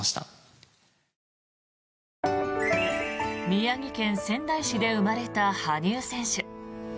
宮城県仙台市で生まれた羽生選手。